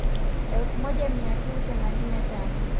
Elfu moja mia tisa themanini na tano